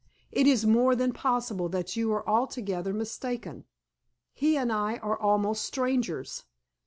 It is more than possible that you are altogether mistaken. He and I are almost strangers.